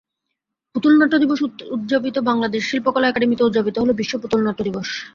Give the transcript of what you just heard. পুতুলনাট্য দিবস উদ্যাপিত বাংলাদেশ শিল্পকলা একাডেমিতে উদ্যাপিত হলো বিশ্ব পুতুলনাট্য দিবস।